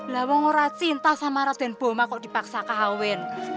lalu tidak cinta sama raden boma kalau dipaksa kahwin